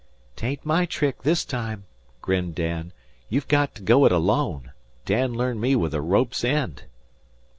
"'Tain't my trick this time," grinned Dan. "You've got to go it alone. Dad learned me with a rope's end."